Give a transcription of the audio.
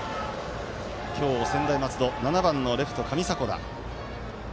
今日、専大松戸７番のレフト、上迫田。